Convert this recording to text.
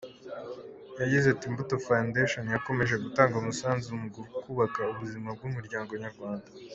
Yagize ati “Imbuto Foundation yakomeje gutanga umusanzu mu kubaka ubuzima bw’umuryango Nyarwanda.